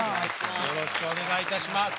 よろしくお願いします。